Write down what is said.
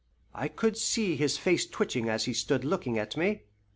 I could see his face twitching as he stood looking at me.